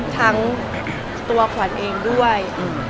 ทั้งตัวขวัญเองด้วย